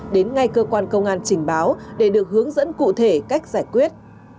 đến ngay cơ quan công an trình báo để được hướng dẫn cụ thể cách giải quyết